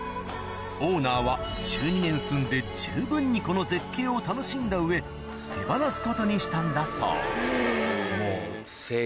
オーナーは１２年住んで十分にこの絶景を楽しんだ上手放すことにしたんだそうもう。